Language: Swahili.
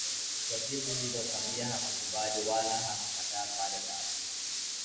Kwa jibu hilo Samia hakukubali wala hakukataa palepale